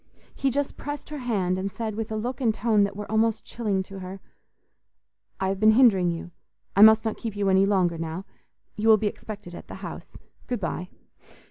He just pressed her hand, and said, with a look and tone that were almost chilling to her, "I have been hindering you; I must not keep you any longer now. You will be expected at the house. Good bye."